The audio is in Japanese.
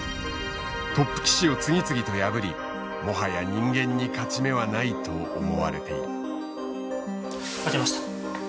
トップ棋士を次々と破りもはや人間に勝ち目はないと思われている。